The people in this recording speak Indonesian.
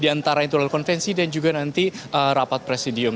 antara itu lalu konvensi dan juga nanti rapat presidium